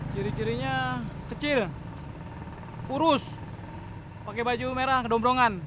ciri cirinya kecil kurus pake baju merah kedombrongan